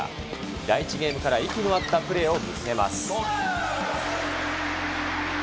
第１ゲームから息の合ったプレーを見せます。